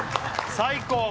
最高！